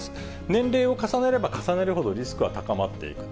年齢を重ねれば重ねるほどリスクは高まっていく。